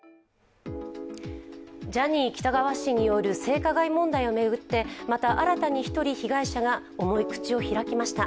ジャニー喜多川氏による性加害問題を巡ってまた新たに１人、被害者が重い口を開きました。